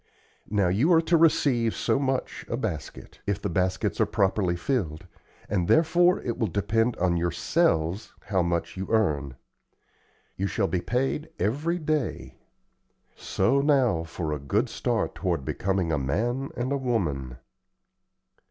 Now, you are to receive so much a basket, if the baskets are properly filled, and therefore it will depend on yourselves how much you earn. You shall be paid every day. So now for a good start toward becoming a man and a woman."